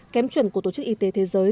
kém chuẩn của tổ chức y tế thế giới